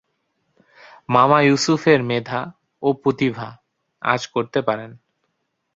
মামা ইউসুফের মেধা ও প্রতিভা আঁচ করতে পারেন।